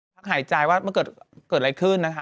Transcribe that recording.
ทักหายใจว่าเกิดอะไรขึ้นนะฮะ